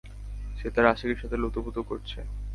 সে তার আশিক এর সাথে লুতুপুতু করছে।